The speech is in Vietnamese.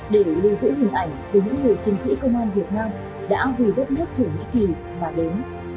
để lưu giữ hình ảnh về những người chiến sĩ công an việt nam đã vì đất nước thổ nhĩ kỳ mà đến